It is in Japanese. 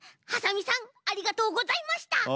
ハサミさんありがとうございました。